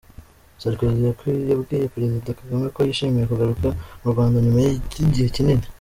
Sarkozy yabwiye Perezida Kagame ko yishimiye kugaruka mu Rwanda nyuma y’igihe kinini.